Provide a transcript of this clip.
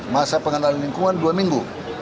masa pengenalan lingkungan dua minggu